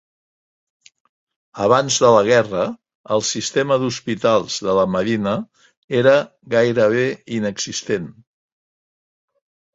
Abans de la guerra, el sistema d'hospitals de la marina era gairebé inexistent.